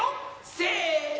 せの！